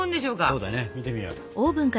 そうだね見てみよう。